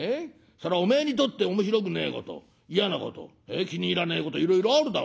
そらおめえにとって面白くねえこと嫌なこと気に入らねえこといろいろあるだろうよ。